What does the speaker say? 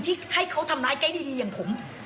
ที่ให้เขาทำร้ายแก๊สดีอย่างผม